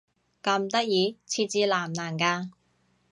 咁得意？設置難唔難㗎？